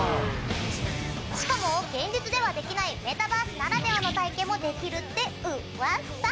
しかも現実ではできないメタバースならではの体験もできるって噂。